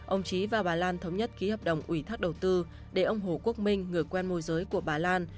ông trí và bà lan thống nhất ký hợp đồng ủy thác đầu tư để ông hồ quốc minh người quen môi giới của bà lan